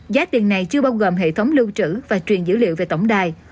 giá tiền này chưa bao gồm hệ thống lưu trữ và truyền dữ liệu về tổng đài